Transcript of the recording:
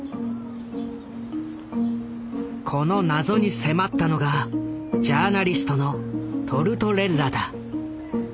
この謎に迫ったのがジャーナリストのトルトレッラだ。